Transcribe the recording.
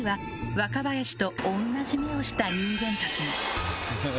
若林と同じ目をした人間たちが。